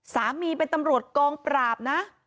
ตำรวจเป็นตำรวจกองปราบนะ